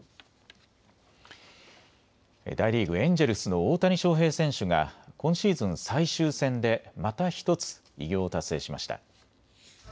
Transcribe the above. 大リーグ、エンジェルスの大谷翔平選手が今シーズン最終戦でまた１つ偉業を達成しました。